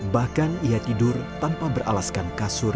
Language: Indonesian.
bahkan ia tidur tanpa beralaskan kasur